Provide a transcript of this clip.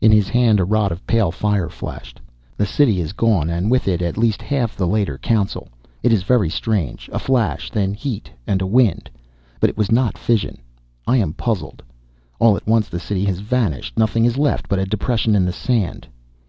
In his hand a rod of pale fire flashed. "The City is gone, and with it at least half the Leiter Council. It is very strange, a flash, then heat, and a wind. But it was not fission. I am puzzled. All at once the City has vanished. Nothing is left but a depression in the sand."